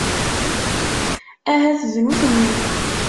Ahat d nutni.